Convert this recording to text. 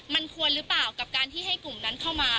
มันควรหรือเปล่ากับการที่ให้กลุ่มนั้นเข้ามา